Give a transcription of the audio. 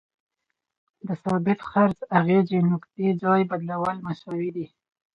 د ثابت څرخ اغیزې نقطې ځای بدلول مساوي دي.